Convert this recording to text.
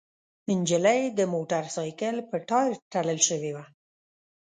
نجلۍ د موټرسايکل په ټاير تړل شوې وه.